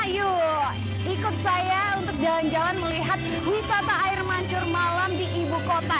yuk ikut saya untuk jalan jalan melihat wisata air mancur malam di ibu kota